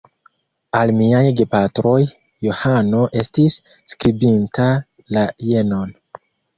Al miaj gepatroj Johano estis skribinta la jenon: